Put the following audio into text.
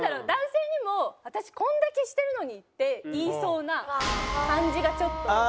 男性にも私これだけしてるのにって言いそうな感じがちょっと。